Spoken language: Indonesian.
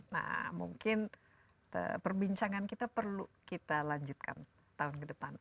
nah mungkin perbincangan kita perlu kita lanjutkan tahun ke depan